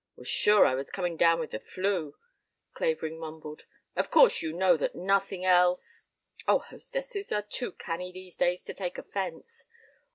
"Was sure I was coming down with the flu," Clavering mumbled. "Of course you know that nothing else " "Oh, hostesses are too canny these days to take offence.